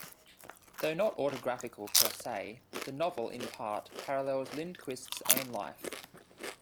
Though not autographical per se, the novel, in part, parallels Lindquist's own life.